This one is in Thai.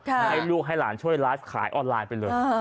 ให้ลูกให้หลานช่วยไลฟ์ขายออนไลน์ไปเลย